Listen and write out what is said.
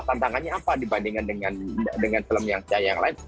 tantangannya apa dibandingkan dengan film yang saya yang lain